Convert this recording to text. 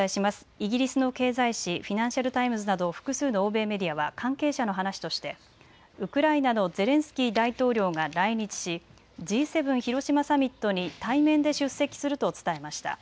イギリスの経済紙、フィナンシャル・タイムズなど複数の欧米メディアは関係者の話としてウクライナのゼレンスキー大統領が来日しＧ７広島サミットに対面で出席すると伝えました。